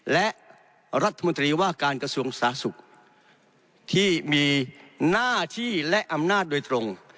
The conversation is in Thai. และรัฐมนตรีว่าการกระทรวงสาธารณสุขที่มีหน้าที่และอำนาจโดยตรง